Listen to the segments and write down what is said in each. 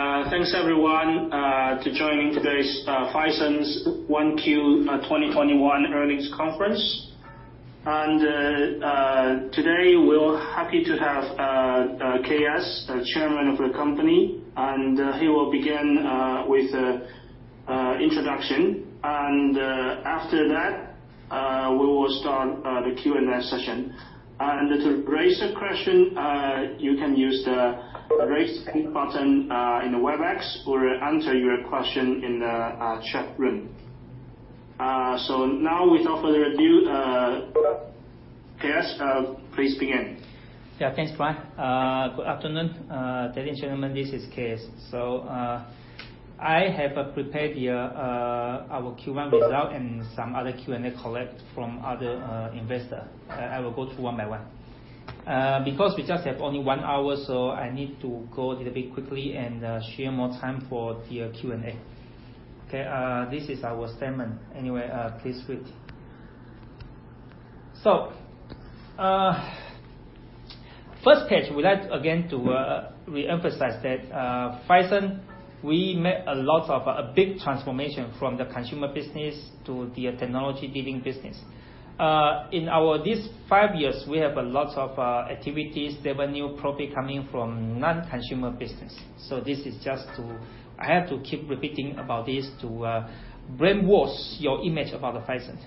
This call. Thanks, everyone, for joining today's Phison's 1Q 2021 Earnings Conference. Today, we're happy to have K.S., the Chairman of the company, he will begin with an introduction. After that, we will start the Q&A session. To raise a question, you can use the raise button in the Webex or enter your question in the chat room. Now, without further ado, K.S., please begin. Yeah, thanks, [Ryan]. Good afternoon, ladies and gentlemen, this is K.S. I have prepared our Q1 result and some other Q&A collected from other investors. I will go through one by one. We just have only one hour, I need to go a little bit quickly and share more time for the Q&A. Okay. This is our statement. Anyway, please read. First page, we'd like, again, to re-emphasize that Phison, we made a lot of a big transformation from the consumer business to the technology-leading business. In these five years, we have a lot of activities, revenue, profit coming from non-consumer business. This is just to I have to keep repeating about this to brainwash your image about Phison.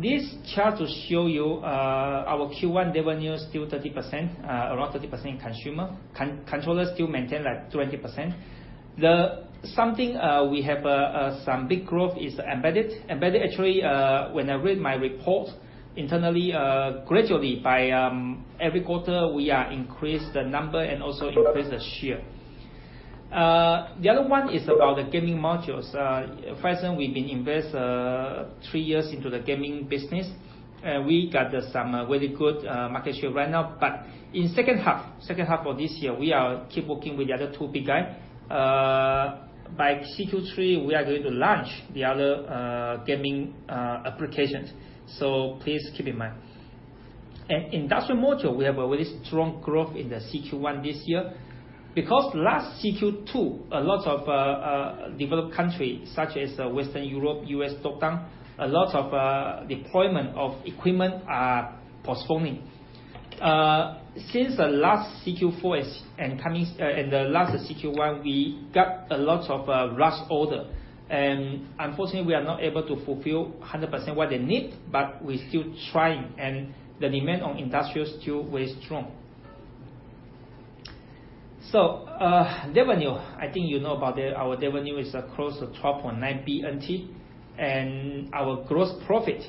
This chart will show you our Q1 revenue is still 30%, around 30% in consumer. Controller still maintain like 20%. Something we have some big growth is embedded. Embedded, actually, when I read my report, internally, gradually by every quarter, we increase the number and also increase the share. The other one is about the gaming modules. Phison, we've been invest three years into the gaming business. We got some really good market share right now. In second half of this year, we keep working with the other two big guy. By CQ3, we are going to launch the other gaming applications. Please keep in mind. In industrial module, we have a very strong growth in the CQ1 this year, because last CQ2, a lot of developed countries, such as Western Europe, U.S. lockdown, a lot of deployment of equipment are postponing. Since the last CQ4 and the last CQ1, we got a lot of rush order. Unfortunately, we are not able to fulfill 100% what they need, but we're still trying, and the demand on industrial is still very strong. Revenue, I think you know about our revenue is close to 12.9 billion, and our gross profit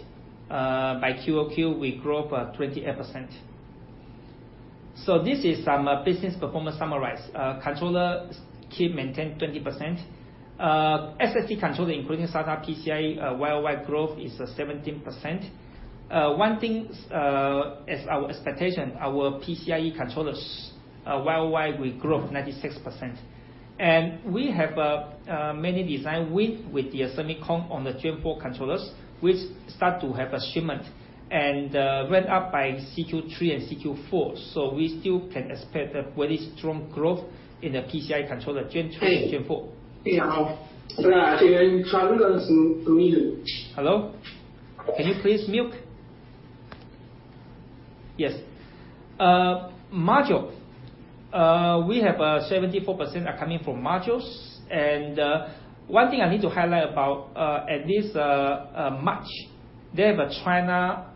by QoQ, we grow 28%. This is some business performance summarized. Controller keep maintain 20%. SSD controller, including SATA, PCIe, worldwide growth is 17%. One thing as our expectation, our PCIe controllers, worldwide we grew 96%. We have many design win with the semiconductor on the Gen4 controllers, which start to have a shipment and ramp up by CQ3 and CQ4. We still can expect a very strong growth in the PCIe controller Gen 3 and Gen4. Hello? Can you please mute? Yes. Module. We have 74% are coming from modules. One thing I need to highlight about at this March, they have a China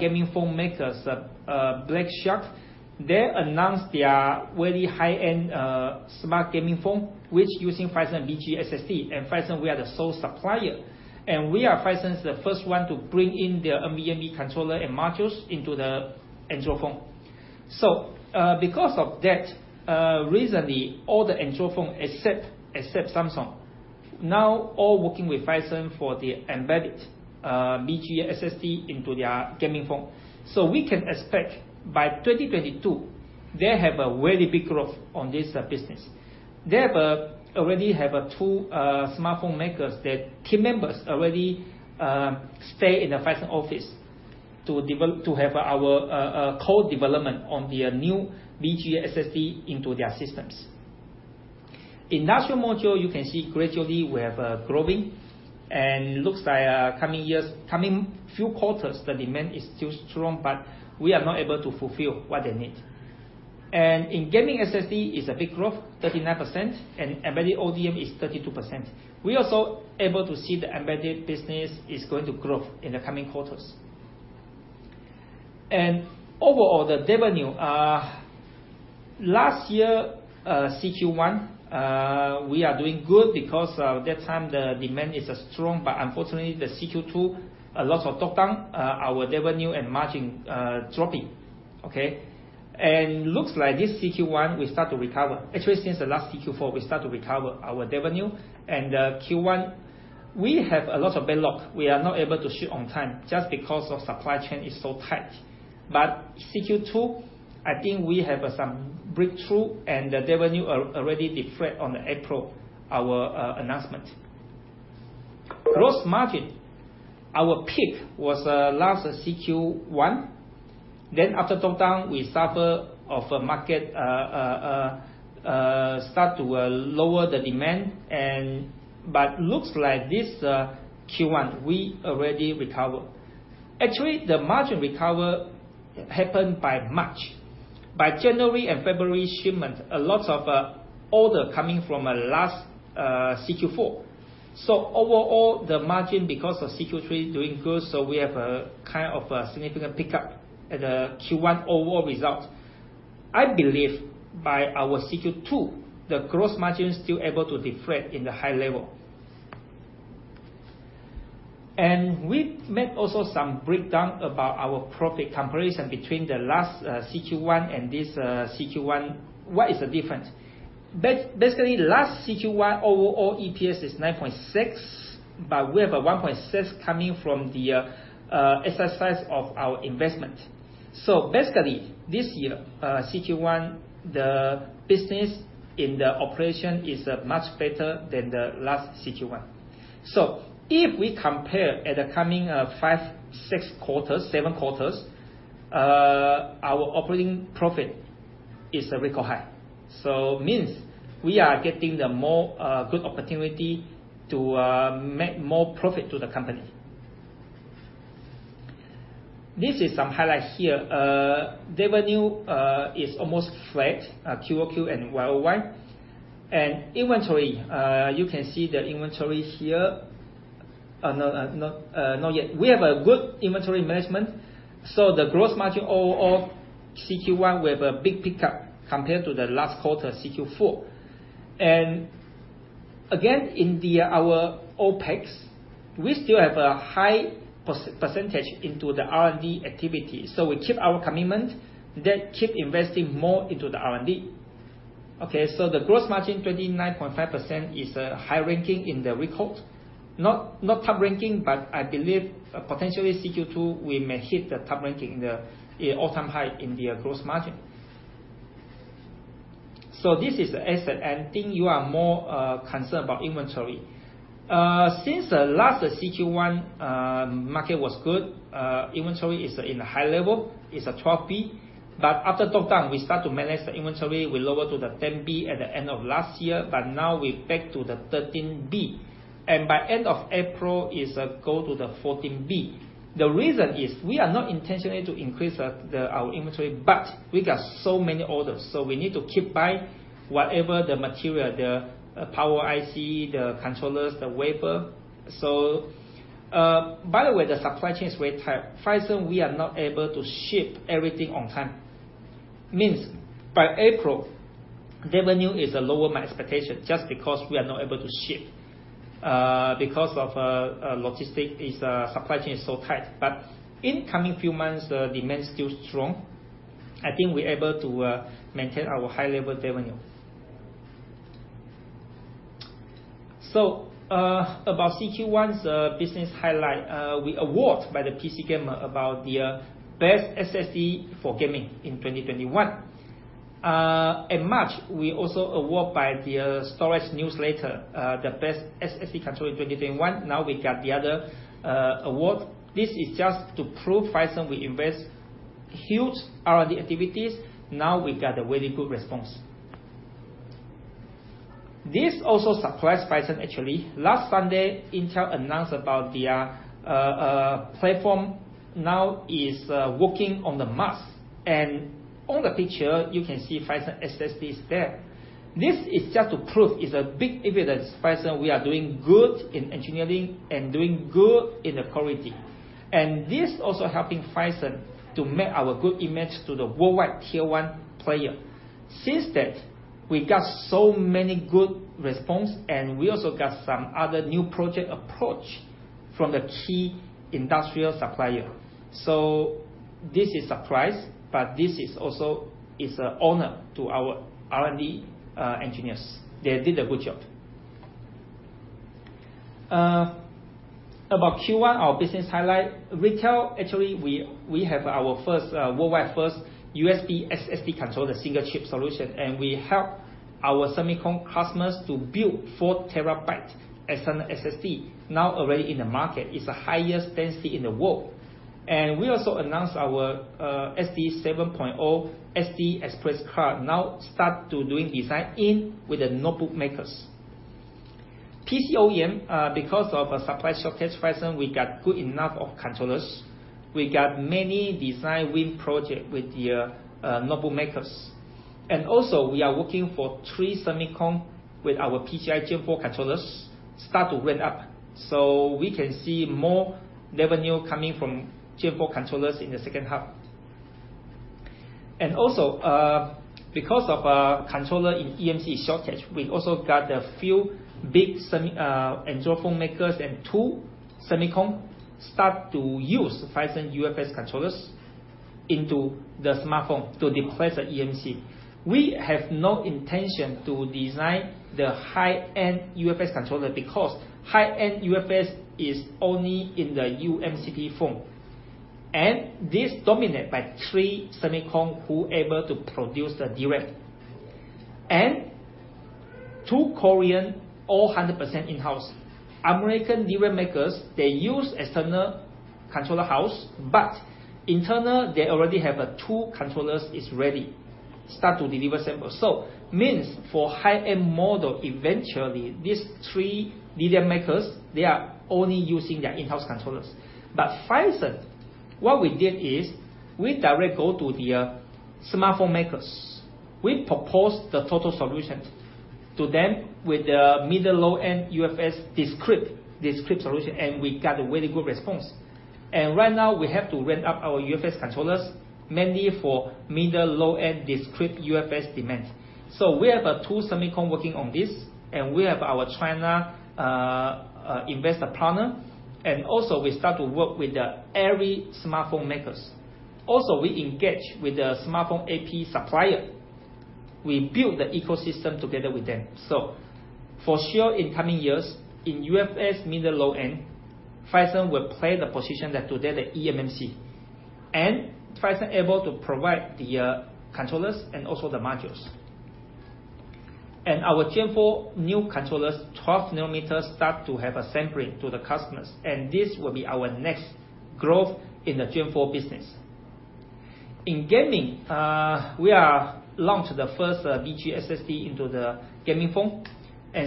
gaming phone makers, Black Shark. They announced their very high-end smart gaming phone, which using Phison BGA SSD, and Phison, we are the sole supplier. We are, Phison, the first one to bring in their NVMe controller and modules into the Android phone. Because of that, recently, all the Android phone, except Samsung, now all working with Phison for the embedded BGA SSD into their gaming phone. We can expect by 2022, they have a very big growth on this business. They already have two smartphone makers that team members already stay in the Phison office to have our co-development on their new BGA SSD into their systems. Industrial module, you can see gradually we are growing, looks like coming few quarters, the demand is still strong, but we are not able to fulfill what they need. In gaming SSD is a big growth, 39%, embedded ODM is 32%. We also able to see the embedded business is going to grow in the coming quarters. Overall, the revenue. Last year, CQ1, we are doing good because at that time the demand is strong, but unfortunately, the CQ2, a lot of lockdown, our revenue and margin dropping. Okay. Looks like this CQ1, we start to recover. Actually, since the last CQ4, we start to recover our revenue. Q1, we have a lot of backlog. We are not able to ship on time just because of supply chain is so tight. CQ2, I think we have some breakthrough and the revenue already reflect on the April our announcement. Gross margin. Our peak was last CQ1. After lockdown, we suffer of market start to lower the demand, but looks like this Q1, we already recovered. Actually, the margin recover happened by March. By January and February shipment, a lot of order coming from last CQ4. Overall, the margin, because of CQ3 doing good, so we have a kind of a significant pickup at the Q1 overall result. I believe by our CQ2, the gross margin still able to defend in the high level. We made also some breakdown about our profit comparison between the last CQ1 and this CQ1. What is the difference? Basically, last CQ1 overall EPS is 9.6, but we have a 1.6 coming from the exercise of our investment. Basically, this year, CQ1, the business in the operation is much better than the last CQ1. If we compare at the coming five, six quarters, seven quarters, our operating profit is a record high. Means we are getting the more good opportunity to make more profit to the company. This is some highlight here. Revenue is almost flat, QoQ and YoY. Inventory, you can see the inventory here. No, not yet. We have a good inventory management. The gross margin overall, CQ1, we have a big pickup compared to the last quarter, CQ4. Again, in our OpEx, we still have a high percentage into the R&D activity. We keep our commitment, then keep investing more into the R&D. Okay, so the gross margin, 29.5% is a high ranking in the record. Not top ranking, but I believe potentially CQ2, we may hit the top ranking, the all-time high in the gross margin. This is the asset. I think you are more concerned about inventory. Since the last CQ1, market was good. Inventory is in a high level. It's 12 billion. After lockdown, we start to manage the inventory. We lower to 10 billion at the end of last year, but now we're back to 13 billion. By end of April, it go to 14 billion. The reason is we are not intentionally to increase our inventory, but we got so many orders, so we need to keep buying whatever the material, the power IC, the controllers, the wafer. By the way, the supply chain is very tight. Phison, we are not able to ship everything on time. By April, revenue is lower my expectation just because we are not able to ship because of supply chain is so tight. In coming few months, the demand is still strong. I think we're able to maintain our high-level revenue. About Q1's business highlight, we award by the PC Gamer about the Best SSD for Gaming in 2021. In March, we also award by the Storage Newsletter the Best SSD Controller in 2021. We got the other award. This is just to prove Phison will invest huge R&D activities. We got a very good response. This also surprised Phison, actually. Last Sunday, Intel announced about their platform now is working on the Mars. On the picture, you can see Phison SSD is there. This is just to prove it's a big evidence, Phison, we are doing good in engineering and doing good in the quality. This also helping Phison to make our good image to the worldwide Tier 1 player. Since that, we got so many good response, we also got some other new project approach from the key industrial supplier. This is surprise, but this is also is an honor to our R&D engineers. They did a good job. About Q1, our business highlight. Retail, actually, we have our worldwide first USB SSD controller, the single chip solution, we help our semicon customers to build 4 TB external SSD now already in the market. It's the highest density in the world. We also announced our SD 7.0 SD Express card now start to doing design-in with the notebook makers. PC OEM, because of a supply shortage, Phison, we got good enough of controllers. We got many design win project with the notebook makers. We are working for three semicon with our PCIe Gen4 controllers start to ramp up. We can see more revenue coming from Gen4 controllers in the second half. Because of controller in eMMC shortage, we also got a few big Android phone makers and two semicon start to use Phison UFS controllers into the smartphone to replace the eMMC. We have no intention to design the high-end UFS controller because high-end UFS is only in the uMCP form. This dominate by three semicon who able to produce the DRAM. Two Korean, all 100% in-house. American DRAM makers, they use external controller house, but internal, they already have two controllers is ready, start to deliver samples. Means for high-end model, eventually these three DRAM makers, they are only using their in-house controllers. Phison, what we did is we direct go to the smartphone makers. We propose the total solution to them with the middle low-end UFS discrete solution, and we got a very good response. Right now, we have to ramp up our UFS controllers mainly for middle low-end discrete UFS demands. We have two semiconductor working on this, and we have our China investor partner, and also we start to work with every smartphone makers. Also, we engage with the smartphone AP supplier. We build the ecosystem together with them. For sure, in coming years, in UFS middle low-end, Phison will play the position that today the eMMC. Phison able to provide the controllers and also the modules. Our Gen4 new controllers, 12 nm start to have a sampling to the customers, and this will be our next growth in the Gen4 business. In gaming, we are launched the first BGA SSD into the gaming phone.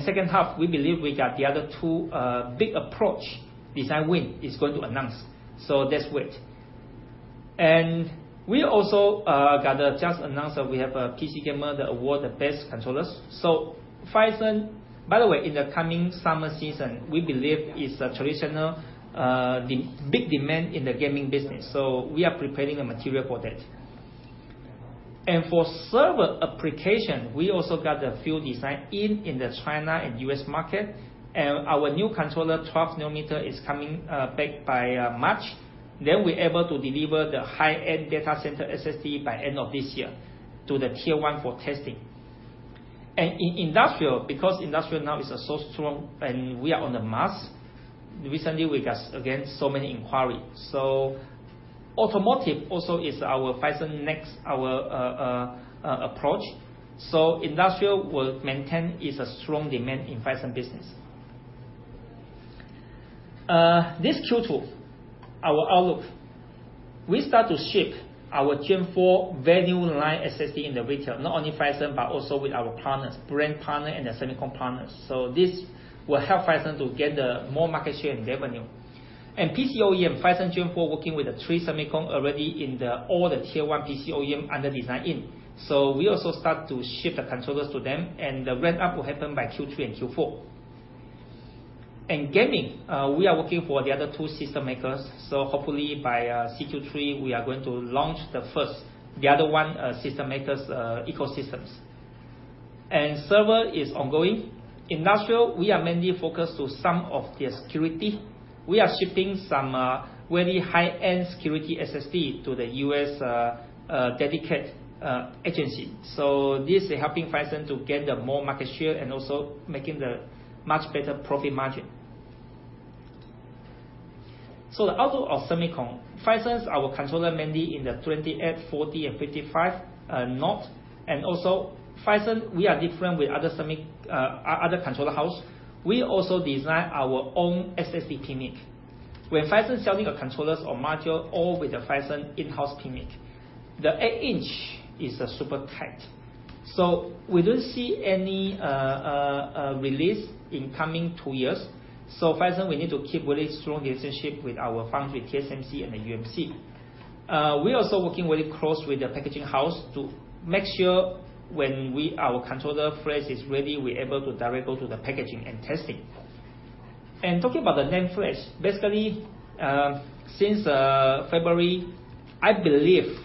Second half, we believe we got the other two, big approach design win is going to announce. Let's wait. We also, got the just announced that we have a PC Gamer that award the best controllers. Phison, by the way, in the coming summer season, we believe is a traditional, big demand in the gaming business. We are preparing a material for that. For server application, we also got a few design-in the China and U.S. market. Our new controller, 12 nm, is coming back by March. We're able to deliver the high-end data center SSD by end of this year to the Tier 1 for testing. In industrial, because industrial now is so strong and we are on the Mars, recently we got again, so many inquiry. Automotive also is our Phison next approach. Industrial will maintain is a strong demand in Phison business. This Q2, our outlook. We start to ship our Gen4 value line SSD in the retail, not only Phison, but also with our partners, brand partner and the semiconductor partners. This will help Phison to get the more market share and revenue. PC OEM, Phison Gen4 working with the three semiconductor already in all the Tier 1 PC OEM under design-in. We also start to ship the controllers to them, and the ramp-up will happen by Q3 and Q4. In gaming, we are working for the other two system makers, hopefully by CQ3, we are going to launch the first, the other one, system makers' ecosystems. Server is ongoing. Industrial, we are mainly focused to some of the security. We are shipping some very high-end security SSD to the U.S. dedicated agency. This is helping Phison to get the more market share and also making the much better profit margin. The outlook of semiconductor. Phison, our controller mainly in the 28 nm, 40 nm and 55 nm. Phison, we are different with other controller house. We also design our own SSD PMIC. When Phison selling a controllers or module, all with the Phison in-house PMIC. The 8-in is super tight. We don't see any release in coming two years. Phison, we need to keep very strong relationship with our foundry, TSMC and UMC. We are also working very close with the packaging house to make sure when our controller flash is ready, we're able to directly go to the packaging and testing. Talking about the NAND flash, basically, since February, I believe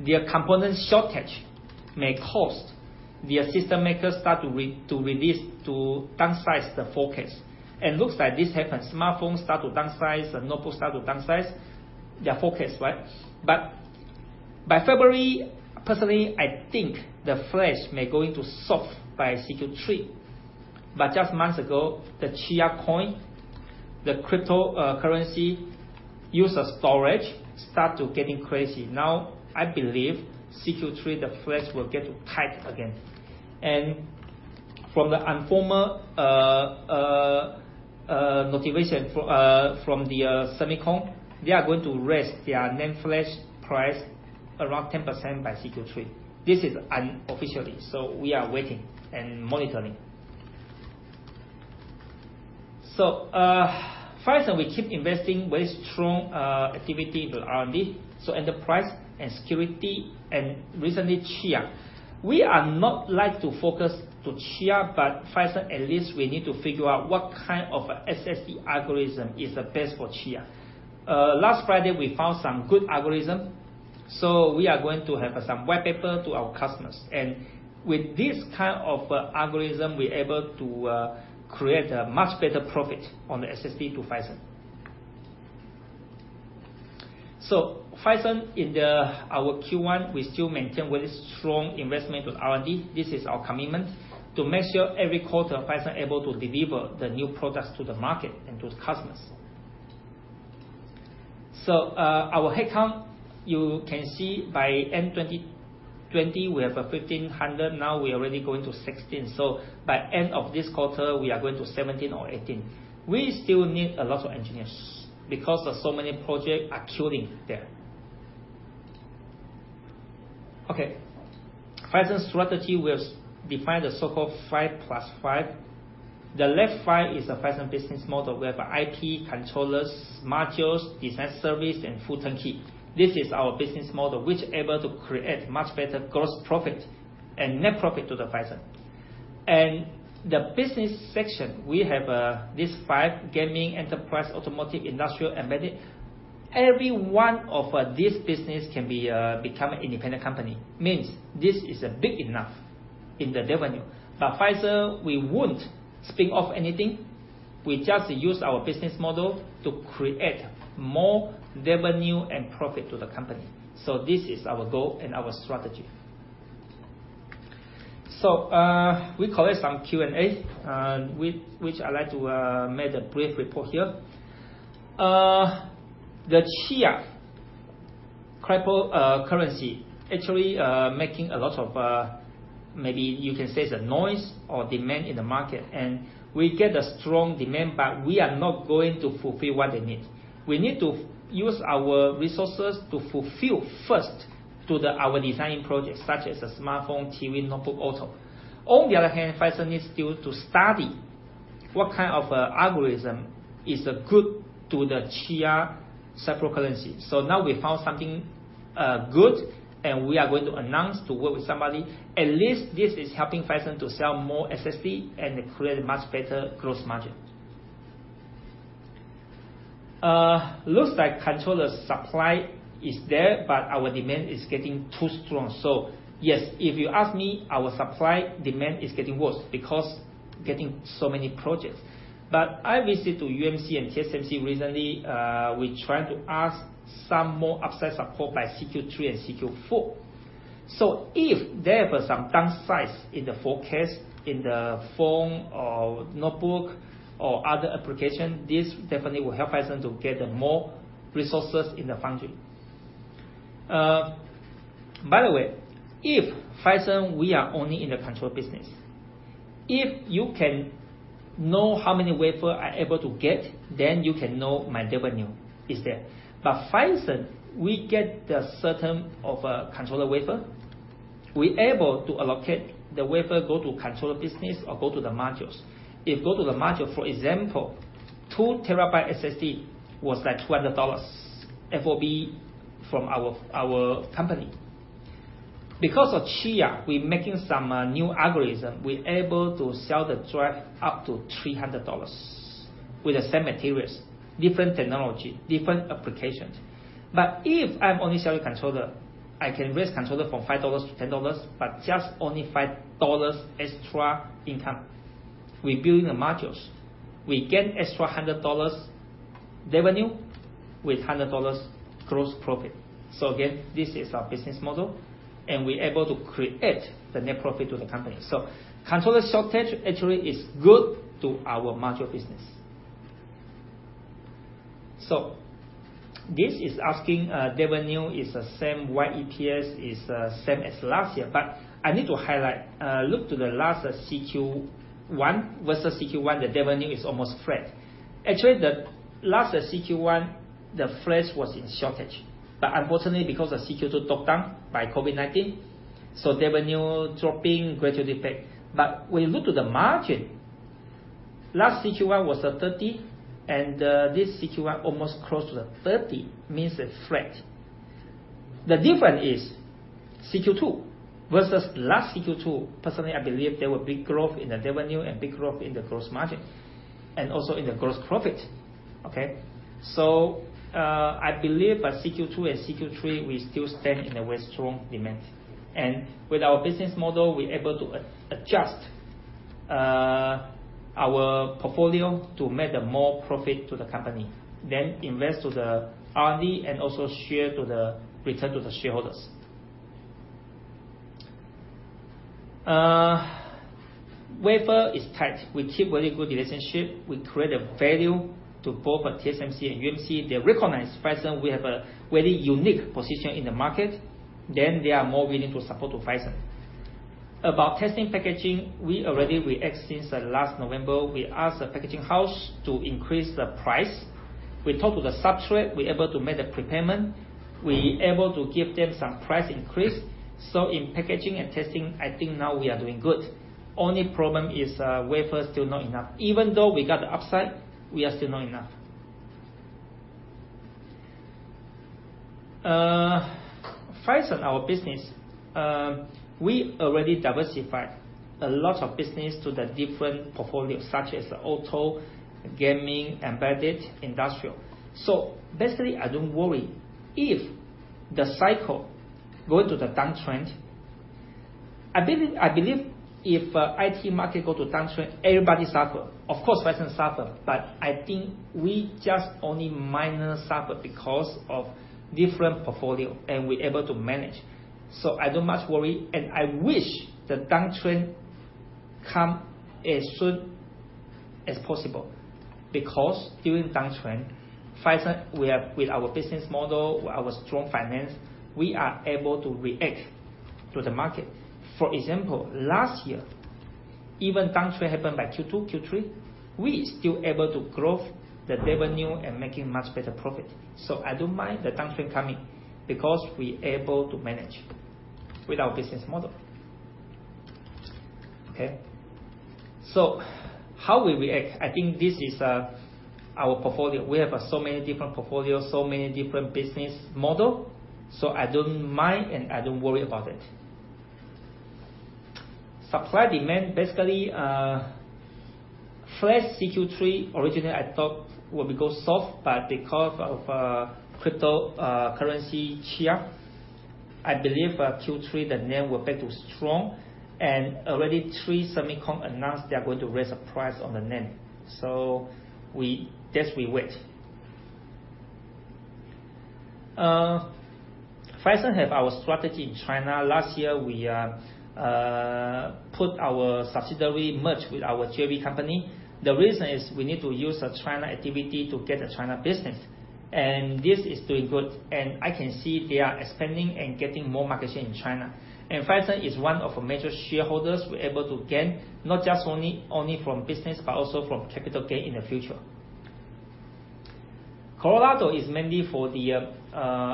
the component shortage may cause the system makers start to release to downsize the forecast. Looks like this happens. Smartphones start to downsize, the notebook start to downsize their forecast, right? By February, personally, I think the flash may going to solve by CQ3. Just months ago, the Chia coin, the cryptocurrency use a storage start to getting crazy. Now, I believe CQ3, the flash will get tight again. From the informal motivation from the semiconductor, they are going to raise their NAND flash price around 10% by CQ3. This is unofficially. We are waiting and monitoring. Phison, we keep investing very strong activity in R&D. Enterprise and security and recently Chia. We are not like to focus to Chia, Phison at least we need to figure out what kind of SSD algorithm is the best for Chia. Last Friday, we found some good algorithm. We are going to have some white paper to our customers. With this kind of algorithm, we're able to create a much better profit on the SSD to Phison. Phison in our Q1, we still maintain very strong investment with R&D. This is our commitment to make sure every quarter, Phison able to deliver the new products to the market and to the customers. Our headcount, you can see by end 2020, we have 1,500. Now we are already going to 16. By end of this quarter, we are going to 17 or 18. We still need a lot of engineers because so many projects are queuing there. Phison's strategy, we have defined the so-called five plus five. The left five is a Phison business model. We have IP, controllers, modules, design service, and full turnkey. This is our business model which able to create much better gross profit and net profit to the Phison. The business section, we have these five: gaming, enterprise, automotive, industrial, embedded. Every one of these business can become independent company. This is big enough in the revenue. Phison, we wouldn't spin off anything. We just use our business model to create more revenue and profit to the company. This is our goal and our strategy. We collect some Q&A which I'd like to make a brief report here. The Chia cryptocurrency actually making a lot of, maybe you can say, noise or demand in the market, and we get a strong demand, but we are not going to fulfill what they need. We need to use our resources to fulfill first to our designing projects, such as a smartphone, TV, notebook, auto. On the other hand, Phison needs still to study what kind of algorithm is good to the Chia cryptocurrency. Now we found something good and we are going to announce to work with somebody. At least this is helping Phison to sell more SSD and create a much better gross margin. Looks like controller supply is there, but our demand is getting too strong. Yes, if you ask me, our supply-demand is getting worse because getting so many projects. I visit to UMC and TSMC recently, we try to ask some more upside support by CQ3 and CQ4. If there were some downsides in the forecast in the phone or notebook or other application, this definitely will help Phison to get more resources in the foundry. By the way, if Phison, we are only in the control business. If you can know how many wafer are able to get, then you can know my revenue is there. Phison, we get the certain of a controller wafer, we able to allocate the wafer, go to controller business or go to the modules. If go to the module, for example, 2 TB SSD was like $200 FOB from our company. Because of Chia, we making some new algorithm, we able to sell the drive up to $300 with the same materials, different technology, different applications. If I'm only selling controller, I can raise controller from 5 dollars to 10 dollars, but just only 5 dollars extra income. We build in the modules, we gain extra 100 dollars revenue with 100 dollars gross profit. Again, this is our business model, and we able to create the net profit to the company. Controller shortage actually is good to our module business. This is asking revenue is the same, why EPS is same as last year. I need to highlight, look to the last CQ1 versus CQ1, the revenue is almost flat. Actually, the last CQ1, the flash was in shortage. Unfortunately, because of CQ2 drop down by COVID-19, so revenue dropping gradually back. We look to the margin, last CQ1 was at 30%, and this CQ1 almost close to the 30%, means a flat. The difference is CQ2 versus last CQ2, personally, I believe there were big growth in the revenue and big growth in the gross margin and also in the gross profit. Okay? I believe by CQ2 and CQ3, we still stand in a very strong demand. With our business model, we able to adjust our portfolio to make more profit to the company, then invest to the R&D and also return to the shareholders. Wafer is tight. We keep very good relationship. We create a value to both TSMC and UMC. They recognize Phison. We have a very unique position in the market. Then they are more willing to support to Phison. About testing packaging, we already react since the last November. We ask the packaging house to increase the price. We talk to the substrate, we able to make the prepayment, we able to give them some price increase. In packaging and testing, I think now we are doing good. Only problem is wafer is still not enough. Even though we got the upside, we are still not enough. Phison, our business, we already diversified a lot of business to the different portfolios, such as auto, gaming, embedded, industrial. Basically, I don't worry if the cycle go to the downtrend. I believe if IT market go to downtrend, everybody suffer. Of course, Phison suffer, but I think we just only minor suffer because of different portfolio, and we able to manage. I don't much worry, and I wish the downtrend come as soon as possible. Because during downtrend, Phison, with our business model, our strong finance, we are able to react to the market. For example, last year, even downtrend happened by Q2, Q3, we still able to grow the revenue and making much better profit. I don't mind the downtrend coming because we able to manage with our business model. Okay. How we react, I think this is our portfolio. We have so many different portfolio, so many different business model, I don't mind and I don't worry about it. Supply-demand, basically, flash Q3 originally I thought will become soft, because of cryptocurrency Chia, I believe by Q3 the NAND will be too strong. Already three semicon announced they are going to raise the price on the NAND. That we wait. Phison have our strategy in China. Last year, we put our subsidiary merge with our JV company. The reason is we need to use a China entity to get a China business, and this is doing good, and I can see they are expanding and getting more market share in China. Phison is one of our major shareholders. We are able to gain, not just only from business, but also from capital gain in the future. Colorado is mainly for the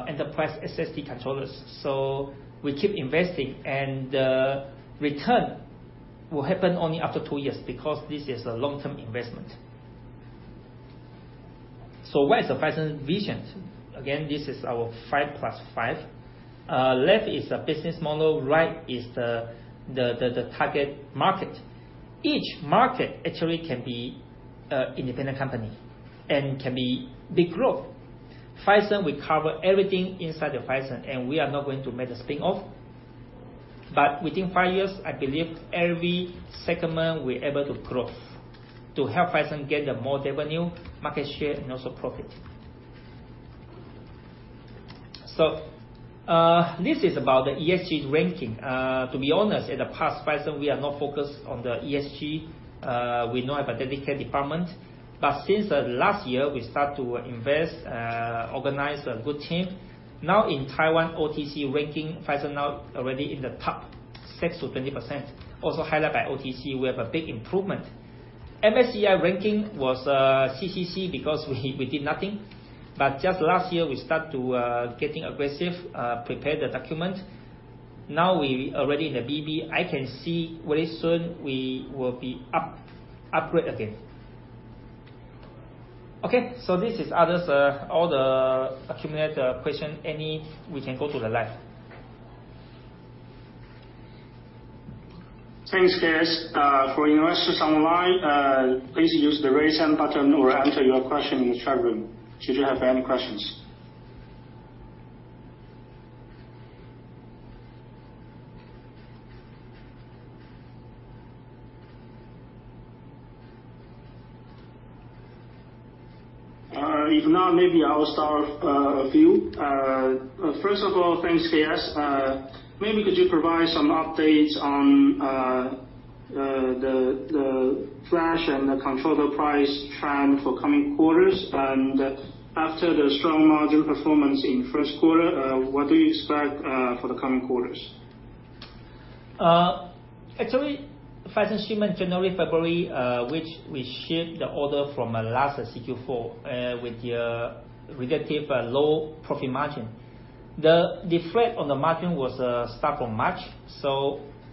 enterprise SSD controllers. We keep investing, and the return will happen only after two years because this is a long-term investment. What is the Phison vision? Again, this is our five plus five. Left is the business model, right is the target market. Each market actually can be independent company and can be big growth. Phison will cover everything inside the Phison, and we are not going to make the spin-off. Within five years, I believe every segment will be able to grow, to help Phison get more revenue, market share, and also profit. This is about the ESG ranking. To be honest, in the past, Phison, we are not focused on ESG. We don't have a dedicated department. Since last year, we start to invest, organize a good team. Now in Taiwan, OTC ranking, Phison now already in the top six to 20%. Also highlighted by OTC, we have a big improvement. MSCI ranking was CCC because we did nothing. Just last year, we start to getting aggressive, prepare the document. Now we already in BB. I can see very soon we will be upgraded again. This is others, all the accumulated question, any, we can go to the live. Thanks, K.S. For investors online, please use the Raise Hand button or enter your question in the chat room should you have any questions. If not, maybe I will start a few. First of all, thanks, K.S. Maybe could you provide some updates on the flash and the controller price trend for coming quarters? After the strong margin performance in first quarter, what do you expect for the coming quarters? Actually, Phison shipment January, February, which we ship the order from last CQ4, with the relative low profit margin. The effect on the margin will start from March.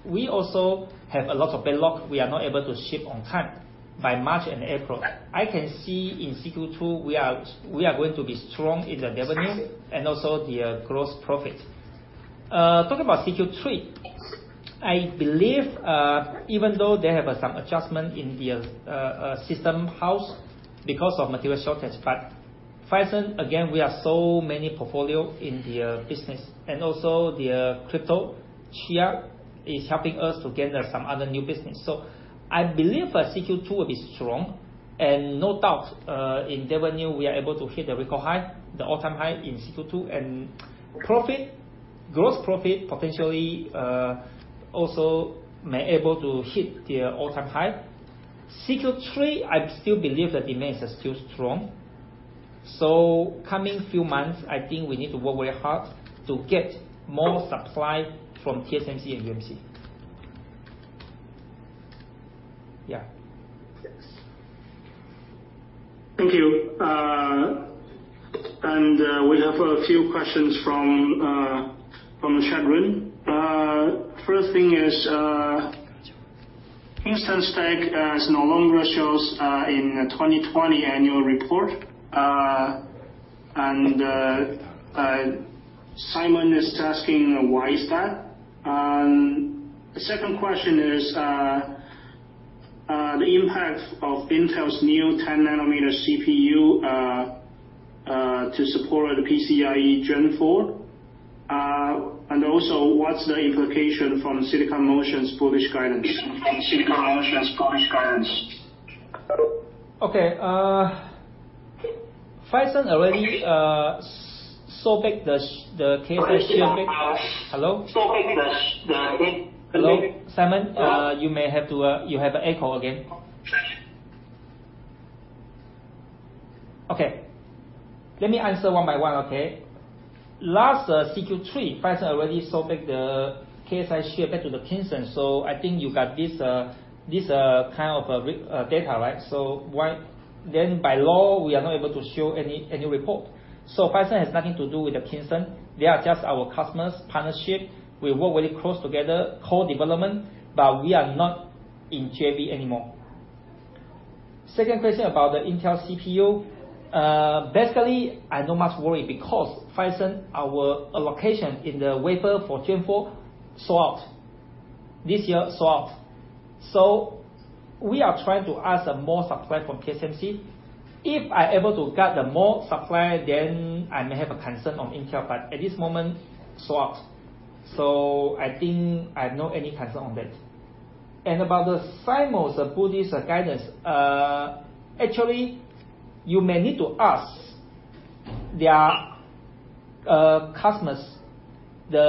We also have a lot of backlog we are not able to ship on time by March and April. I can see in CQ2, we are going to be strong in the revenue and also the gross profit. Talking about CQ3, I believe, even though they have some adjustment in the system house because of material shortage, Phison, again, we are so many portfolio in the business and also the crypto Chia is helping us to get some other new business. I believe CQ2 will be strong and no doubt in revenue, we are able to hit the record high, the all-time high in CQ2, and profit, gross profit, potentially, also may able to hit the all-time high. Q3, I still believe the demand is still strong. Coming few months, I think we need to work very hard to get more supply from TSMC and UMC. Yeah. Yes. Thank you. We have a few questions from the chat room. First thing is Kingston stake is no longer shows in the 2020 annual report, and Simon is asking why is that? The second question is, the impact of Intel's new 10 nanometer CPU to support PCIe Gen4. Also what's the implication from Silicon Motion's published guidance? Phison already sold back the KSI share. Hello? Hello, Simon. You have an echo again. Let me answer one by one, okay? Last Q3, Phison already sold back the KSI share to the Kingston, I think you got this kind of data, right? By law, we are not able to show any report. Phison has nothing to do with Kingston. They are just our customers, partnership. We work very close together, co-development, we are not in JV anymore. Second question about the Intel CPU. I not much worry because Phison, our allocation in the wafer for Q4 sold out. This year sold out. We are trying to ask more supply from TSMC. If I able to get more supply, then I may have a concern on Intel, at this moment, sold out. I think I have no any concern on that. About the Silicon Motion published guidance, actually, you may need to ask their customers, the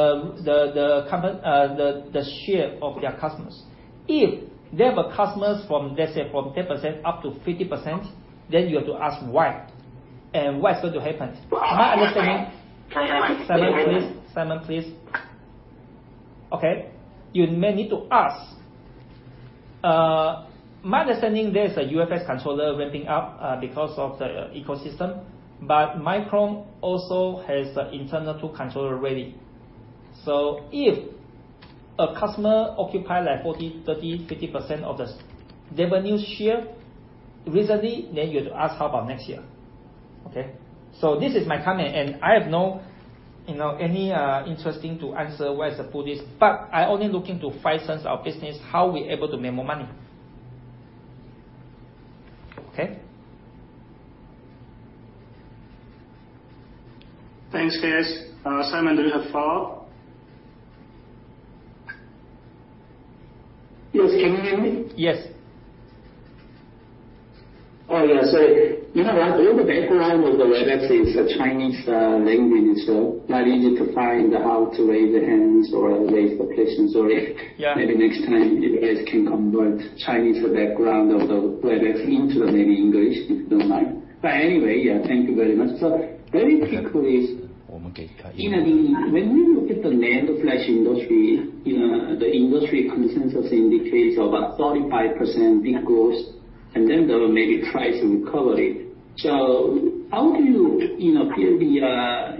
share of their customers. If they have a customer from, let's say, from 10% up to 50%, then you have to ask why, and what's going to happen. Simon, please. Okay. You may need to ask. My understanding, there is a UFS controller ramping up because of the ecosystem, but Micron also has internal two controller ready. If a customer occupy like 40%, 30%, 50% of the revenue share recently, then you have to ask, how about next year? Okay? This is my comment, and I have no any interesting to answer where is the published, but I only looking to Phison, our business, how we able to make more money. Okay? Thanks, K.S. Simon, do you have follow-up? Yes. Can you hear me? Yes. Oh, yeah. You know what? All the background of the Webex is Chinese language, so not easy to find how to raise the hands or raise the questions. Yeah -maybe next time you guys can convert Chinese background of the Webex into maybe English, if you don't mind. Anyway, yeah, thank you very much. Very quick is, when we look at the NAND flash industry, the industry consensus indicates about 35% big growth there will maybe price recovery. How do you appear the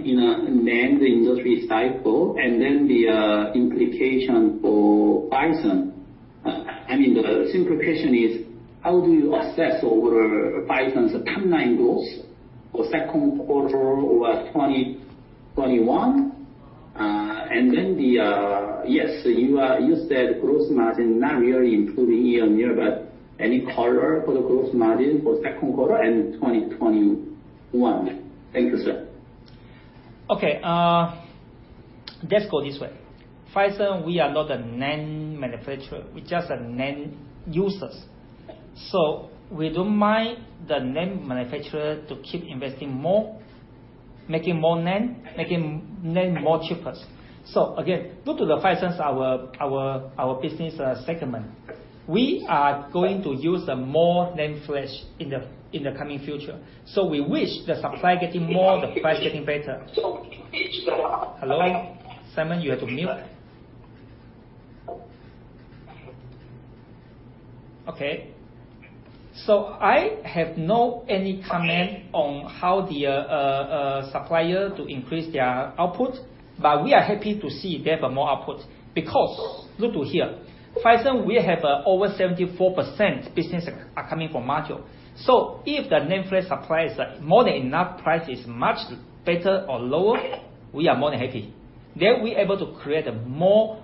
NAND industry cycle the implication for Phison? The simple question is, how do you assess over Phison's timeline growth for second quarter over 2021? The, yes, you said gross margin not really improving year-on-year, any color for the gross margin for second quarter and 2021? Thank you, sir. Okay. Let's go this way. Phison, we are not a NAND manufacturer. We're just a NAND users. We don't mind the NAND manufacturer to keep investing more, making more NAND, making NAND more cheapest. Again, due to the Phison's, our business segment, we are going to use more NAND flash in the coming future. We wish the supply getting more, the price getting better. Hello. Simon, you have to mute. Okay. I have no any comment on how the supplier to increase their output, but we are happy to see they have more output. Look to here, Phison, we have over 74% business are coming from module. If the NAND flash supply is more than enough, price is much better or lower, we are more than happy. We able to create more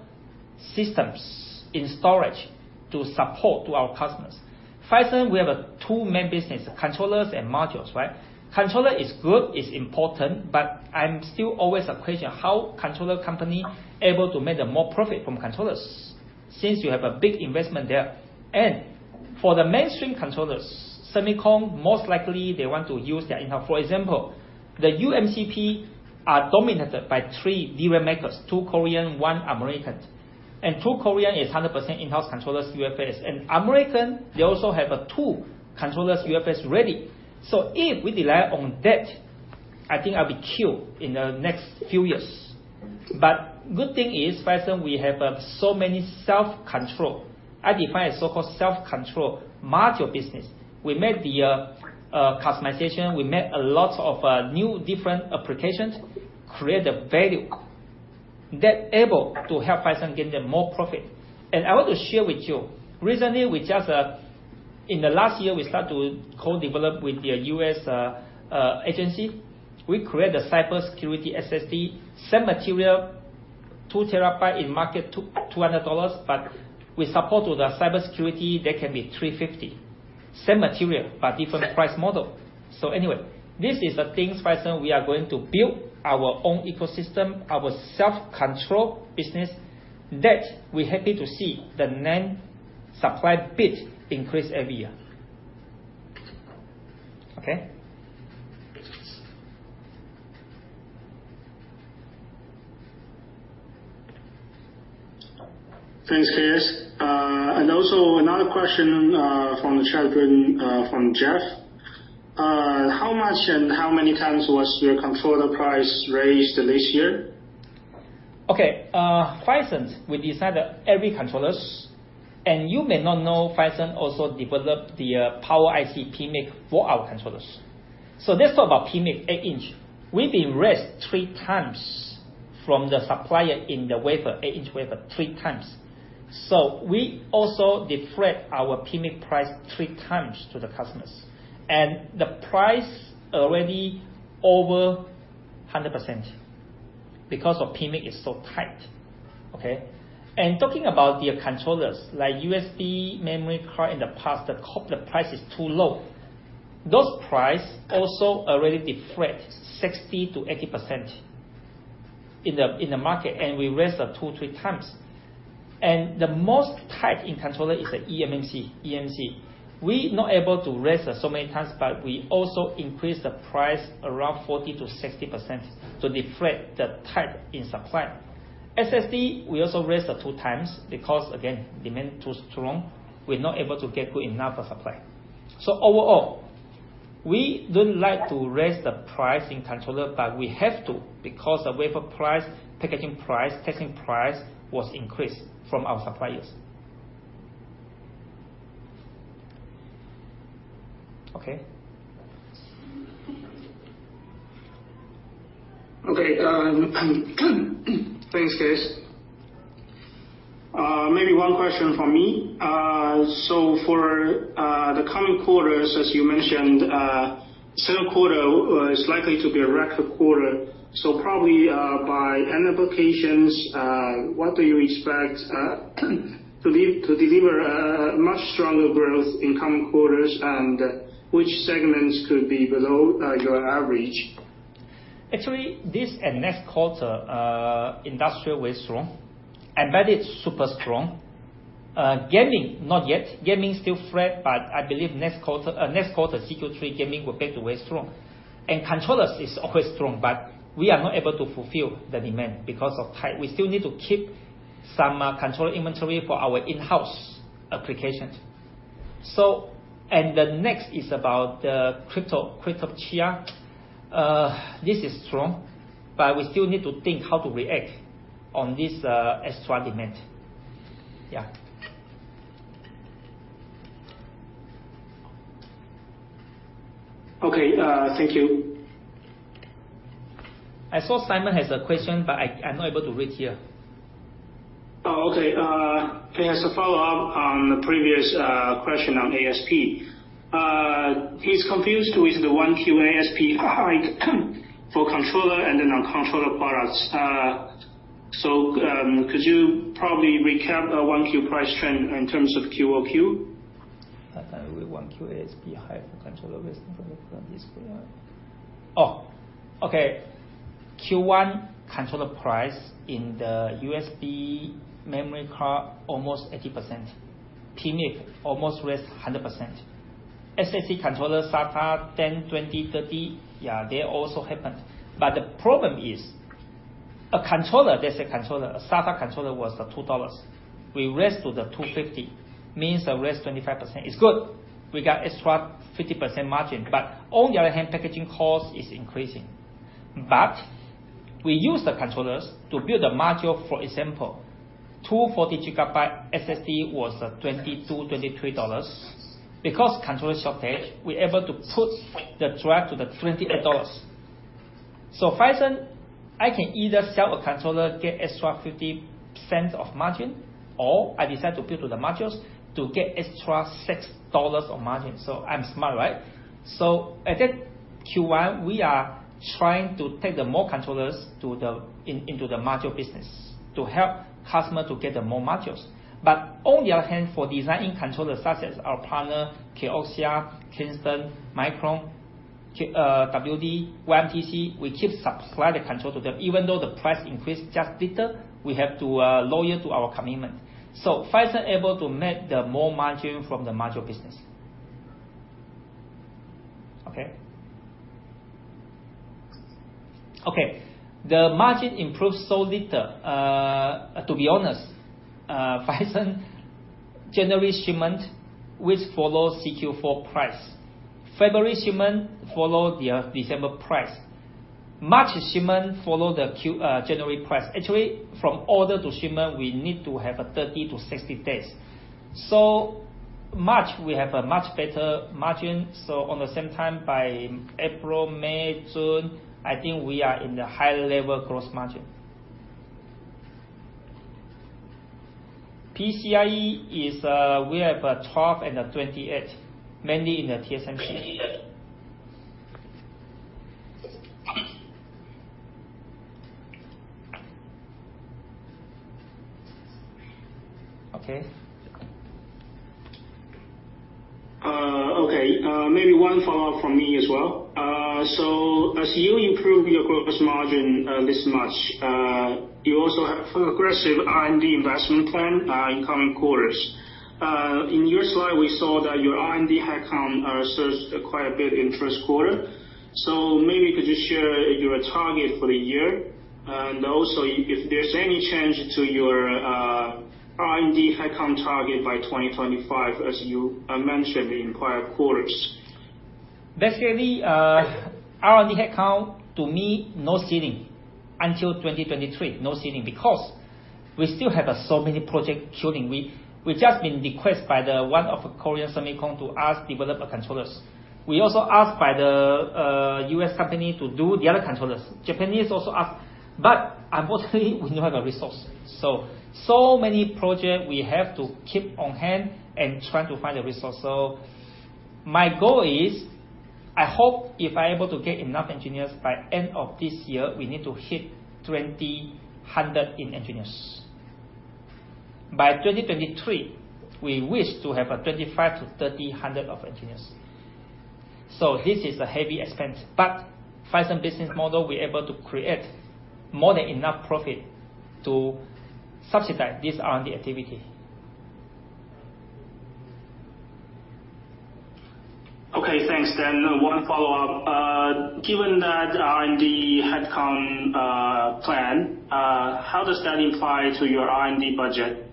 systems in storage to support to our customers. Phison, we have two main businesses, controllers and modules, right? Controller is good, it's important, I'm still always a question, how controller company able to make the more profit from controllers since you have a big investment there? For the mainstream controllers, semicon, most likely they want to use their in-house. For example, the uMCP are dominated by three DRAM makers, two Korean, one American. Two Korean is 100% in-house controllers UFS. American, they also have two controllers UFS ready. If we rely on that, I think I'll be killed in the next few years. Good thing is, Phison, we have so many self-control. I define a so-called self-control module business. We make the customization, we make a lot of new different applications, create the value that able to help Phison get the more profit. I want to share with you, recently, in the last year, we start to co-develop with the U.S. agency. We create a cybersecurity SSD, same material, 2 TB in market, $200, but with support to the cybersecurity, that can be $350. Same material, different price model. This is the things, Phison, we are going to build our own ecosystem, our self-control business that we're happy to see the NAND-Supply bit increase every year. Okay? Thanks, K.S. Also another question from Jeff. How much and how many times was your controller price raised this year? Okay. Phison, we design every controllers. You may not know, Phison also developed the power IC PMIC for our controllers. Let's talk about PMIC 8-in. We've been raised three times from the supplier in the wafer, 8-in wafer, three times. We also reflect our PMIC price three times to the customers. The price already over 100%, because our PMIC is so tight. Okay. Talking about their controllers, like USB memory card in the past, the price is too low. Those price also already reflect 60%-80% in the market, and we raised two, three times. The most tight in controller is the eMMC. We not able to raise so many times, but we also increased the price around 40%-60% to reflect the tight in supply. SSD, we also raised two times because, again, demand too strong. We're not able to get good enough supply. Overall, we don't like to raise the price in controller, but we have to because the wafer price, packaging price, testing price was increased from our suppliers. Okay? Okay. Thanks, K.S. Maybe one question from me. For the coming quarters, as you mentioned, second quarter is likely to be a record quarter. Probably by end applications, what do you expect to deliver a much stronger growth in coming quarters, and which segments could be below your average? Actually, this and next quarter, industrial was strong. Embedded, super strong. Gaming, not yet. Gaming is still flat, but I believe next quarter, Q3 gaming will be very strong. Controllers is always strong, but we are not able to fulfill the demand because of tight. We still need to keep some controller inventory for our in-house applications. The next is about the crypto Chia. This is strong, but we still need to think how to react on this extra demand. Yeah. Okay. Thank you. I saw Simon has a question, but I'm not able to read here. Oh, okay. He has a follow-up on the previous question on ASP. He's confused with the 1Q ASP for controller and the non-controller products. Could you probably recap 1Q price trend in terms of QoQ? I think with 1Q ASP high for controller based on this. Q1 controller price in the USB memory card, almost 80%. PMIC almost raised 100%. SSD controller SATA 10, 20, 30, yeah, they also happened. The problem is, a SATA controller was at $2. We raised to the $2.50, means the raise 25%. It's good. We got extra 50% margin. On the other hand, packaging cost is increasing. We use the controllers to build a module, for example, 240 GB SSD was $22, $23. Because controller shortage, we're able to put the drive to the $28. Phison, I can either sell a controller, get extra $0.50 of margin, or I decide to build the modules to get extra $6 of margin. I'm smart, right? I think Q1, we are trying to take the more controllers into the module business to help customer to get the more modules. On the other hand, for designing controllers such as our partner Kioxia, Kingston, Micron, WD, YMTC, we keep supplying the control to them. Even though the price increased just little, we have to loyal to our commitment. Phison able to make the more margin from the module business. Okay? Okay. The margin improved so little, to be honest. Phison January shipment, which follow Q4 price. February shipment follow their December price. March shipment follow the January price. From order to shipment, we need to have 30 to 60 days. March, we have a much better margin. On the same time, by April, May, June, I think we are in the high level gross margin. PCIe is, we have a 12 nm and a 28 nm, mainly in the TSMC. Okay? One follow-up from me as well. As you improve your gross margin this much, you also have progressive R&D investment plan in coming quarters. In your slide, we saw that your R&D headcount serves quite a bit in first quarter. Maybe could you share your target for the year? Also if there's any change to your R&D headcount target by 2025, as you mentioned in prior quarters. R&D headcount to me, no ceiling. Until 2023, no ceiling, because we still have so many project shooting. We've just been requested by one of the Korean semicon to us develop controllers. We're also asked by the U.S. company to do the other controllers. Japanese also asked, but unfortunately we don't have a resource. So many project we have to keep on hand and try to find a resource. My goal is, I hope if I'm able to get enough engineers by end of this year, we need to hit 2,000 in engineers. By 2023, we wish to have 2,500 to 3,000 of engineers. This is a heavy expense, but Phison business model, we're able to create more than enough profit to subsidize this R&D activity. Okay, thanks. One follow-up. Given that R&D headcount plan, how does that imply to your R&D budget,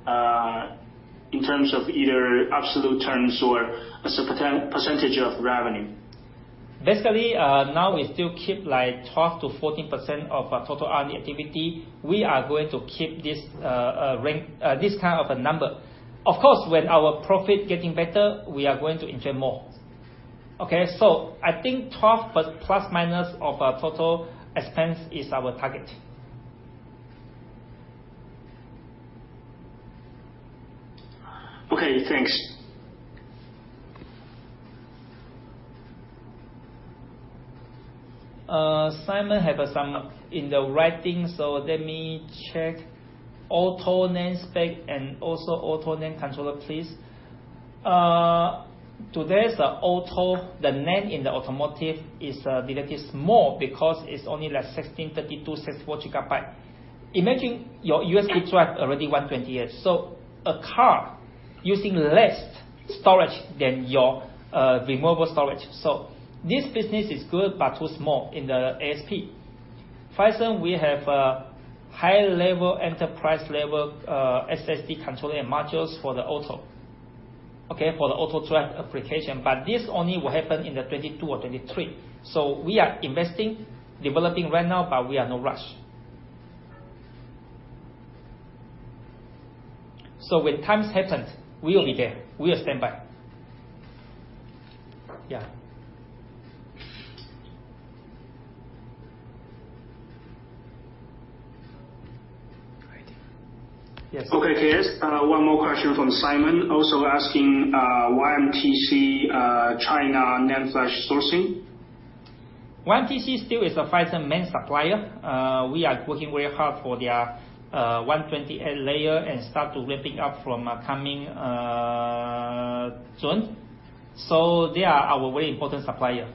in terms of either absolute terms or as a percentage of revenue? Now we still keep 12% to 14% of total R&D activity. We are going to keep this kind of a number. When our profit getting better, we are going to inject more. I think 12 ± of total expense is our target. Okay, thanks. Simon have some in the writing, let me check. Auto NAND spec and also auto NAND controller, please. Today's auto, the NAND in the automotive is relatively small because it's only 16 GB, 32 GB, 64 GB. Imagine your USB drive already 128 GB. A car using less storage than your removable storage. This business is good, but too small in the ASP. Phison, we have a high-level enterprise-level SSD controller modules for the auto drive application. This only will happen in 2022 or 2023. We are investing, developing right now, but we are no rush. When times happen, we are there. We are standby. Yeah. Great. Yes. Okay, K.S., one more question from Simon, also asking YMTC China NAND flash sourcing. YMTC still is a Phison main supplier. We are working very hard for their 128-layer and start to ramping up from coming June. They are our very important supplier.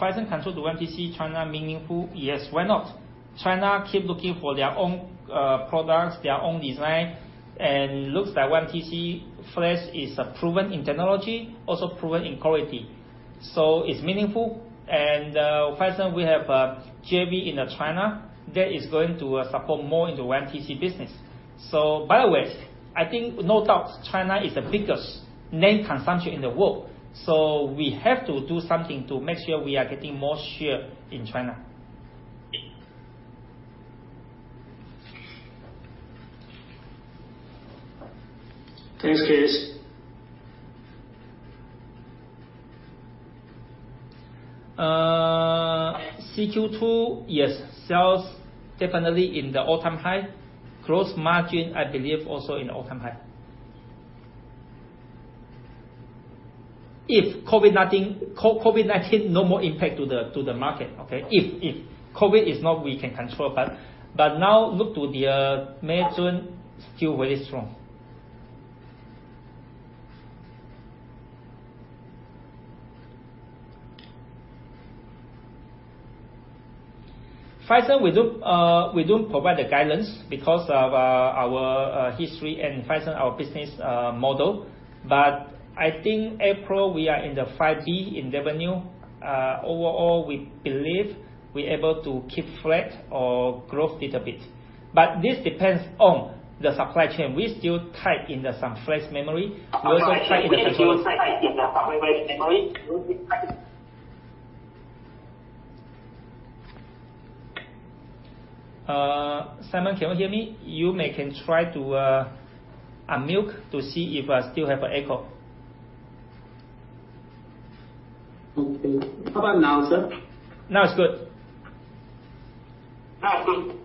Phison control to YMTC China meaningful? Yes. Why not? China keep looking for their own products, their own design, and looks like YMTC flash is proven in technology, also proven in quality. It's meaningful, and Phison we have a JV in China that is going to support more into YMTC business. By the way, I think no doubt China is the biggest NAND consumption in the world. We have to do something to make sure we are getting more share in China. Thanks, K.S. CQ2, yes, sales definitely in the all-time high. Gross margin, I believe, also in all-time high. If COVID-19 no more impact to the market, okay? If. COVID is not we can control, now look to the May, June, still very strong. Phison, we don't provide the guidance because of our history and Phison, our business model. I think April, we are in the 5 billion in revenue. Overall, we believe we able to keep flat or growth little bit. This depends on the supply chain. We still tight in the some flash memory. We also tight in the controller. Simon, can you hear me? You may can try to unmute to see if I still have a echo. Okay. How about now, sir? Now it's good.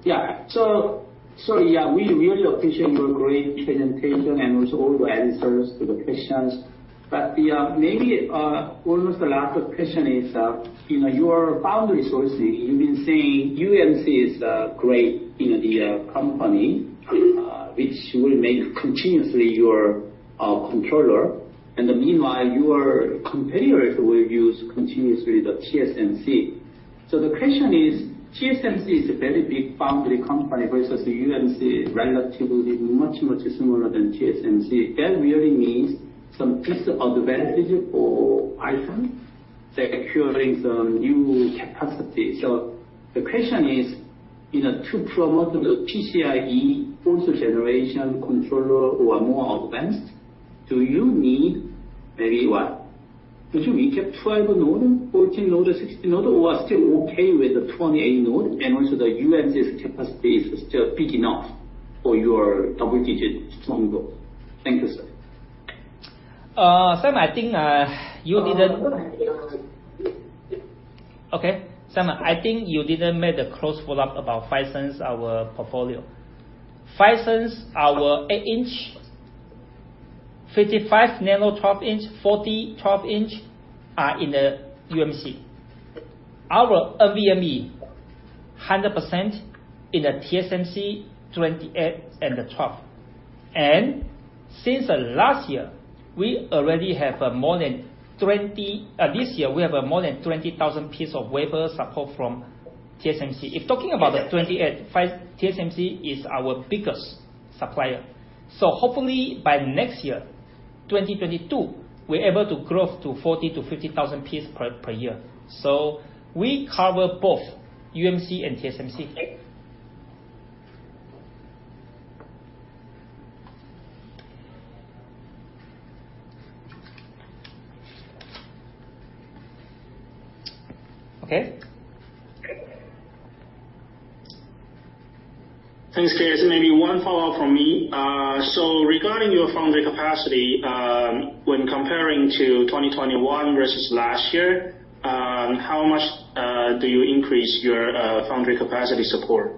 Yeah. We really appreciate your great presentation and also all your answers to the questions. Maybe almost the last question is, your foundry sourcing, you've been saying UMC is a great company which will make continuously your controller, and meanwhile, your competitors will use continuously the TSMC. The question is, TSMC is a very big foundry company versus UMC, relatively much, much smaller than TSMC. That really means some piece of advantage for Phison. They're acquiring some new capacity. The question is, to promote the PCIe fourth generation controller or more advanced, do you need, maybe what? Do you need a five-node, 14-node, 16-node, or still okay with the 28 nm-node, and also the UMC's capacity is still big enough for your double-digit strong growth? Thank you, sir. Simon, I think you didn't make a close follow-up about Phison's portfolio. Phison's our 8-in, 55 nm, 12-in, 40 nm, 12-in, are in the UMC. Our NVMe, 100% in the TSMC, 28 nm and 12 nm. Since last year, this year, we have more than 20,000 pieces of wafer support from TSMC. If talking about 28 nm, TSMC is our biggest supplier. Hopefully by next year, 2022, we're able to grow to 40,000 to 50,000 pieces per year. We cover both UMC and TSMC. Okay? Thanks, K.S. Maybe one follow-up from me. Regarding your foundry capacity, when comparing 2021 versus last year, how much do you increase your foundry capacity support?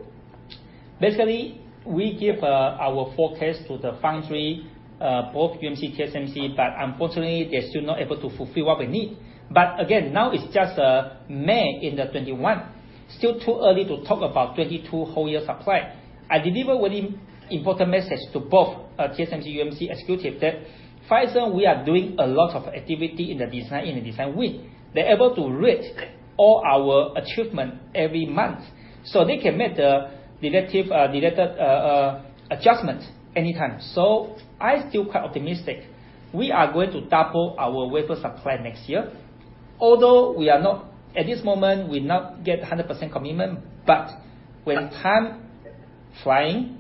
We give our forecast to the foundry, both UMC, TSMC. Unfortunately, they're still not able to fulfill what we need. Again, now it's just May in 2021, still too early to talk about 2022 whole year supply. I deliver very important message to both TSMC, UMC executive, that Phison, we are doing a lot of activity in the design win. They're able to rate all our achievement every month. They can make the relative adjustment anytime. I'm still quite optimistic. We are going to double our wafer supply next year. Although at this moment, we not get 100% commitment. With time flying,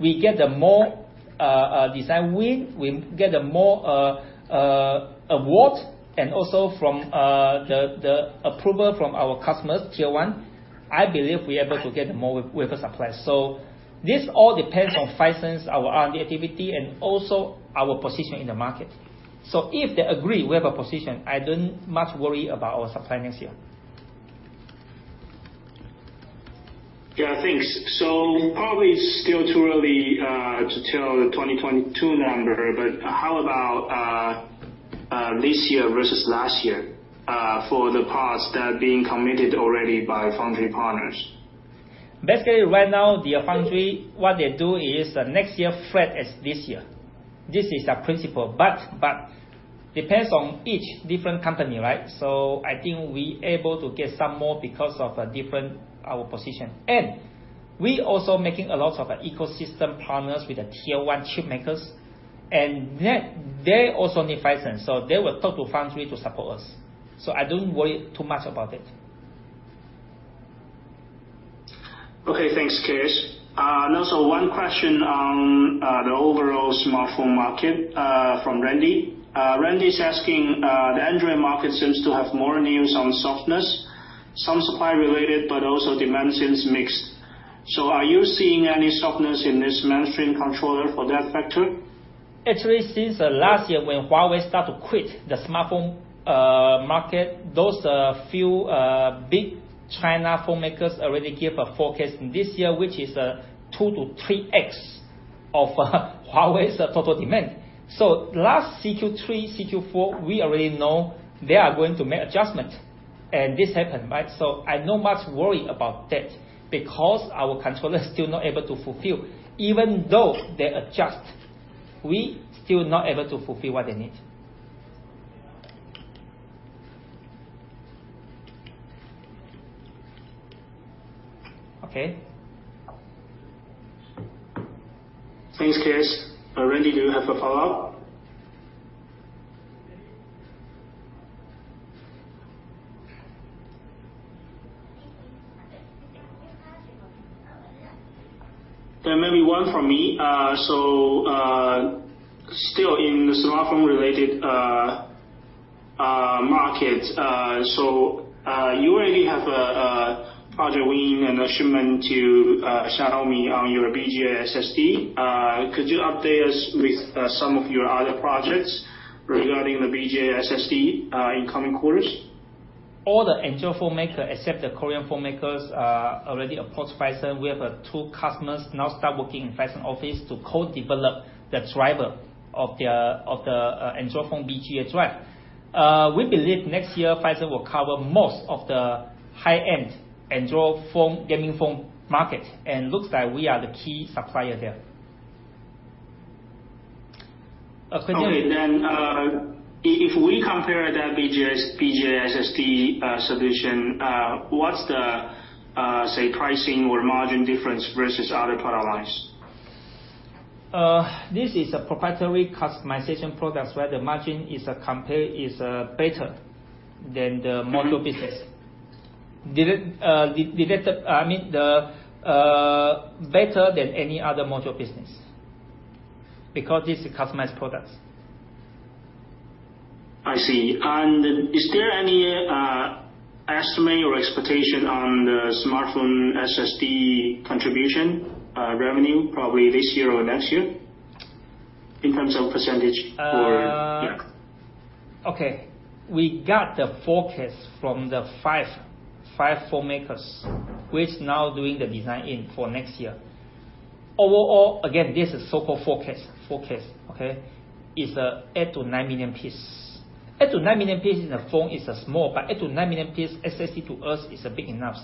we get the more design win, we get the more award, and also from the approval from our customers, Tier 1, I believe we are able to get more wafer supply. This all depends on Phison, our R&D activity, and also our position in the market. If they agree we have a position, I don't much worry about our supply next year. Yeah, thanks. Probably still too early to tell the 2022 number, but how about this year versus last year, for the parts that are being committed already by foundry partners? Basically, right now, their foundry, what they do is next year flat as this year. This is the principle, depends on each different company, right? I think we able to get some more because of different, our position. We also making a lot of ecosystem partners with the tier one chip makers, and they also need Phison. They will talk to foundry to support us. I don't worry too much about it. Okay, thanks, K.S. Also one question on the overall smartphone market, from Randy. Randy's asking, the Android market seems to have more news on softness, some supply related, but also demand seems mixed. Are you seeing any softness in this mainstream controller for that factor? Actually, since last year when Huawei started to quit the smartphone market, those few big China phone makers already gave a forecast in this year, which is 2x-3x of Huawei's total demand. Last CQ3, CQ4, we already know they are going to make adjustments. This happened, right? I not much worry about that because our controller is still not able to fulfill. Even though they adjust, we still not able to fulfill what they need. Okay? Thanks, K.S. Randy, do you have a follow-up? Maybe one from me. Still in the smartphone related market. You already have a project win and shipment to Xiaomi on your BGA SSD. Could you update us with some of your other projects regarding the BGA SSD in coming quarters? All the Android phone maker, except the Korean phone makers, already approach Phison. We have two customers now start working in Phison office to co-develop the driver of the Android phone BGA drive. We believe next year, Phison will cover most of the high-end Android phone, gaming phone market, and looks like we are the key supplier there. Okay. If we compare that BGA SSD solution, what's the, say, pricing or margin difference versus other product lines? This is a proprietary customization product where the margin is better than the module business. Better than any other module business, because this is a customized product. I see. Is there any estimate or expectation on the smartphone SSD contribution revenue probably this year or next year in terms of percentage or Yeah? Okay. We got the forecast from the five phone makers, which now doing the design-in for next year. Overall, again, this is so-called forecast. Okay. Is eight to nine million pieces. Eight to nine million pieces in a phone is small, but eight to nine million pieces SSD to us is big enough.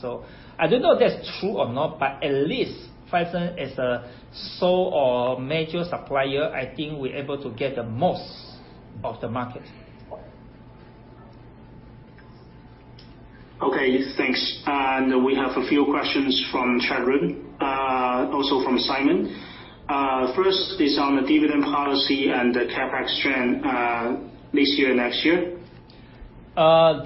I don't know if that's true or not, but at least Phison as a sole or major supplier, I think we're able to get the most of the market. Okay, thanks. We have a few questions from chat room, also from Simon. First is on the dividend policy and the CapEx trend, this year, next year.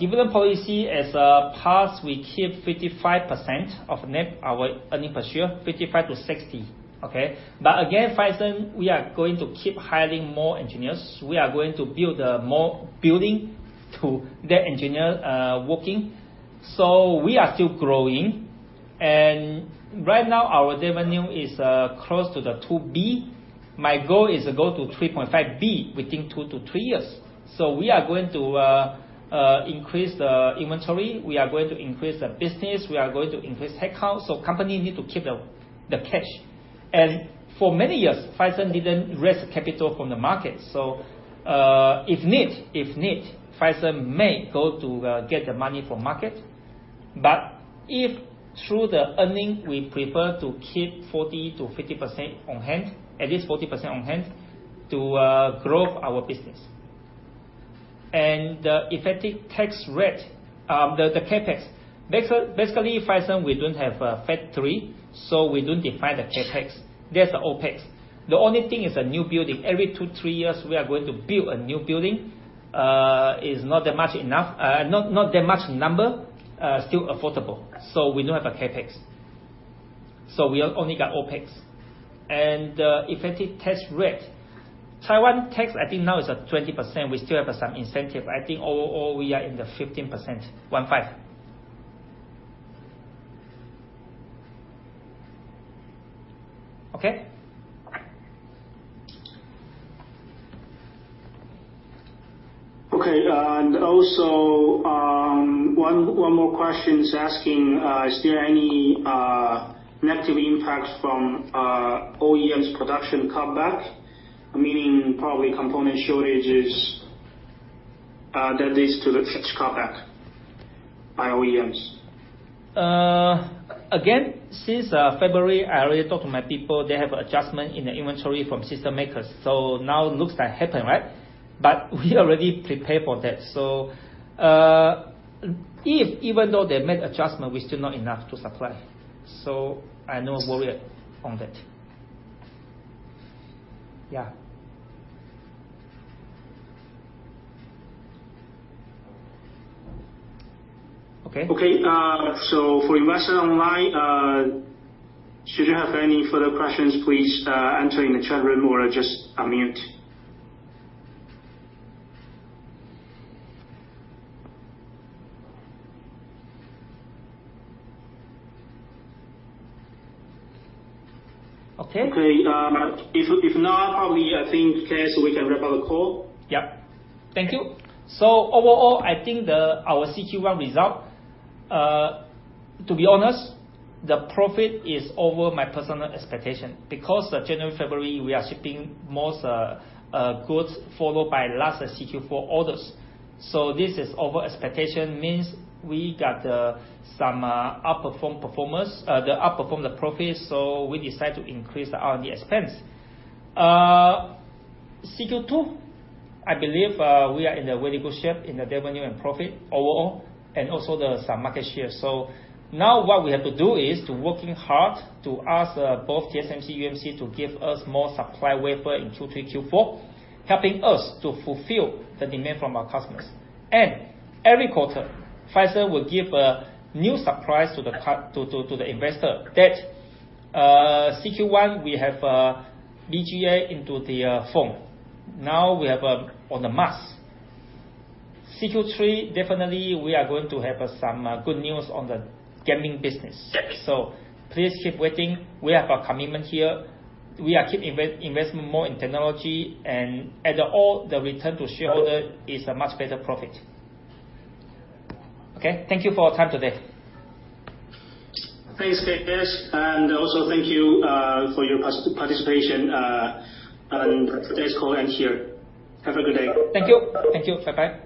Dividend policy as a pass, we keep 55% of net, our earnings per share, 55%-60%. Okay. Again, Phison, we are going to keep hiring more engineers. We are going to build more building to that engineer working. We are still growing. Right now, our revenue is close to 2 billion. My goal is to go to 3.5 billion within two to three years. We are going to increase the inventory, we are going to increase the business, we are going to increase headcount. Company need to keep the cash. For many years, Phison didn't raise capital from the market. If need, Phison may go to get the money from market. If through the earnings, we prefer to keep 40%-50% on hand, at least 40% on hand to grow our business. The effective tax rate, the CapEx. Phison, we don't have a factory, so we don't define the CapEx. There's the OpEx. The only thing is a new building. Every two, three years, we are going to build a new building. Is not that much number, still affordable. We don't have a CapEx. We only got OpEx. Effective tax rate. Taiwan tax, I think now is at 20%. We still have some incentive. I think overall, we are in the 15%. One, five. Okay? Okay. Also, one more question is asking, is there any negative impact from OEM's production cutback? Meaning probably component shortages, that leads to the cuts back by OEMs. Again, since February, I already talked to my people. They have adjustment in the inventory from system makers. Now looks like happen, right? We already prepare for that. Even though they made adjustment, we're still not enough to supply. I have no worry on that. Yeah. Okay. Okay. For investors online, should you have any further questions, please enter in the chat room or just unmute. Okay. Okay. If not, probably, I think, K.S., we can wrap up the call. Yep. Thank you. Overall, I think our CQ1 result, to be honest, the profit is over my personal expectation because January, February, we are shipping most goods followed by last CQ4 orders. This is over expectation, means we got some outperform performance, the outperform the profit, so we decide to increase the R&D expense. CQ2, I believe we are in a very good shape in the revenue and profit overall, and also the some market share. Now what we have to do is to working hard to ask both TSMC, UMC to give us more supply wafer in Q3, Q4, helping us to fulfill the demand from our customers. Every quarter, Phison will give a new surprise to the investor that, CQ1, we have BGA into the phone. Now we have on the Mars. CQ3, definitely we are going to have some good news on the gaming business. Please keep waiting. We have a commitment here. We are keep investing more in technology and at all, the return to shareholder is a much better profit. Okay. Thank you for your time today. Thanks, K.S. Also thank you for your participation, and today's call end here. Have a good day. Thank you. Bye bye.